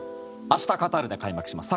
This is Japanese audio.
明日カタールで開幕します